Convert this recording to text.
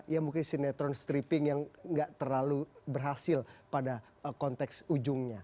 ya mungkin sinetron stripping yang nggak terlalu berhasil pada konteks ujungnya